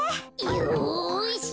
よし！